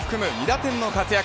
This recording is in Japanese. ２打点の活躍。